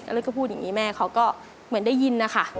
เล็กก็พูดอย่างนี้แม่เขาก็เหมือนได้ยินนะคะ